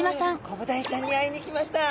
コブダイちゃんに会いに来ました。